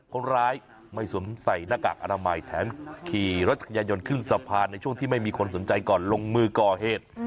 คนร้ายไม่สวมใส่หน้ากากอนามัยแถมขี่รถจักรยายนขึ้นสะพานในช่วงที่ไม่มีคนสนใจก่อนลงมือก่อเหตุ